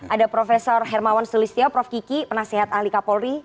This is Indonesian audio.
ada prof hermawan sulistyo prof kiki penasehat ahli kapolri